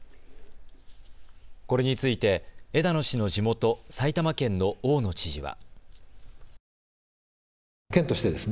これについて枝野氏の地元、埼玉県の大野知事は。